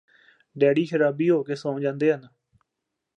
daddy ਸ਼ਰਾਬੀ ਹੋ ਕੇ ਸੌਂ ਜਾਂਦੇ ਹਨ